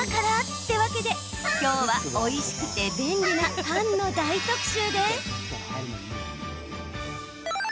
ってわけで今日は、おいしくて便利なパンの大特集です。